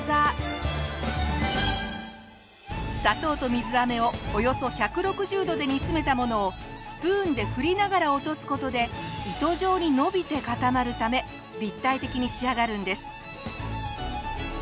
砂糖と水あめをおよそ１６０度で煮詰めたものをスプーンで振りながら落とす事で糸状に伸びて固まるため立体的に仕上がるんです。